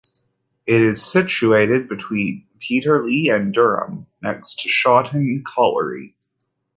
It is situated between Peterlee and Durham, next to Shotton Colliery.